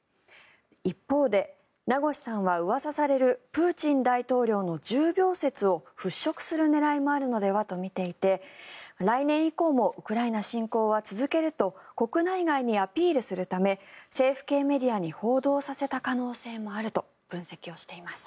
一方で名越さんは、うわさされるプーチン大統領の重病説を払しょくする狙いもあるのではとみられていて来年以降もウクライナ侵攻は続けると国内外にアピールするため政府系メディアに報道させた可能性もあると分析をしています。